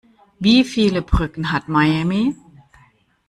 Wie viele Brücken hat Miami?